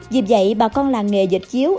vì vậy bà con là nghề dịch chiếu